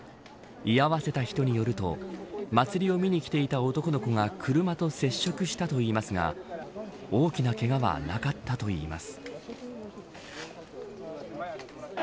居合わせた人によると祭りを見に来ていた男の子が車と接触したといいますが大きなけがはなかったといいます。